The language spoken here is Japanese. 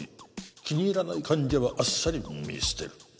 気に入らない患者はあっさり見捨てる